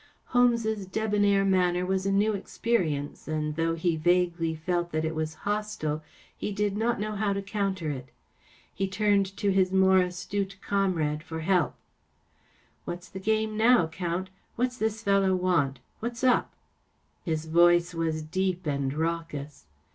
Holmes's debonair manner was a new experience, and though he vaguely felt that it was hostile, he did not know how to counter it. He turned to his more astute comrade for help. “ What's the game now; Count ? What's this fellow want ? What's up ?" His voice was deep and raucous.